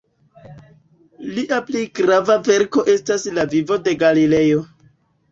Lia pli grava verko estas "La vivo de Galilejo".